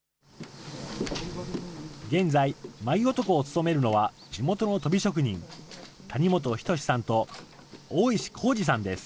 現在、舞男を務めるのは地元のとび職人、谷本仁さんと大石浩司さんです。